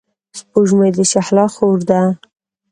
سپوږمۍ د شهلا خور ده.